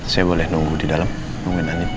saya boleh nunggu di dalam nungguin andin